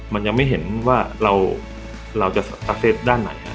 มันยังไม่เห็นว่าเราจะตักเซตด้านไหน